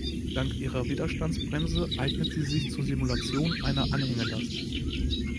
Dank ihrer Widerstandsbremse eignet sie sich zur Simulation einer Anhängelast.